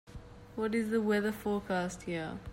What is the weather forecast here